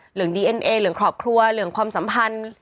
ดีเอ็นเอเหลืองครอบครัวเหลืองความสัมพันธ์